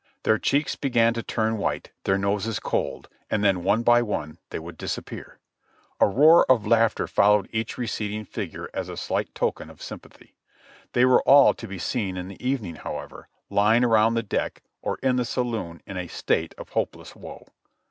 Their cheeks began to turn white, their noses cold, and then one by one they would dis appear. A roar of laughter followed each receding figure as a slight token of sympathy. They were all to be seen in the even ing, however, lying around the deck or in the saloon in a state of hopeless woe.